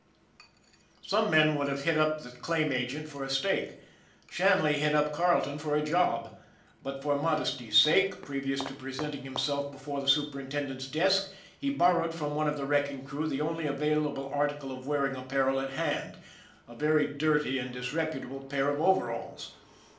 SHANLEY'S LUCK 95 Some men would have hit up the claim agent for a stake; Shanley hit up Carleton for a job. But for modesty's sake, previous to presenting himself before the superintendent's desk, he borrowed from one of the wrecking crew the only available article of wearing apparel at hand a very dirty and disreputable pair of overalls.